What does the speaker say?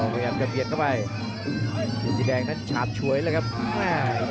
พยายามจะเบียดเข้าไปเกงสีแดงนั้นฉาบฉวยเลยครับแม่